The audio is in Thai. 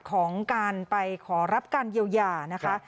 ของการไปขอรับการเยียวยานะคะ